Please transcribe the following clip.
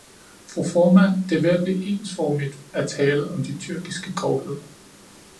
Fru formand, det er ved at blive ensformigt at tale om de tyrkiske grovheder.